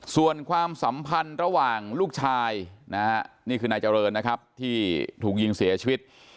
ส่วนความสัมพันธ์ระหว่างลูกชายนะฮะนี่คือนายเจริญนะครับที่ถูกยิงเสียชีวิต